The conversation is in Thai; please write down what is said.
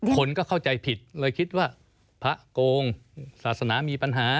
คนก็เข้าใจผิดเลยคิดว่าพระโกงศาสนามีปัญหา